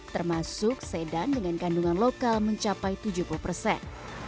termasuk sedan dengan kandungan lokal mencapai tujuh puluh persen